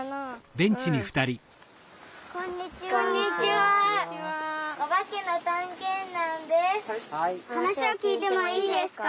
はなしをきいてもいいですか？